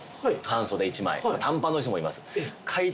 半袖１枚短パンの人もいます。